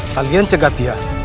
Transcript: kalian cegat dia